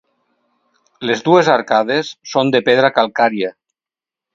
Les dues arcades són de pedra calcària.